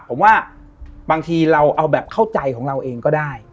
ผมว่าบางทีเราเอาแบบเข้าใจของเราเองก็ได้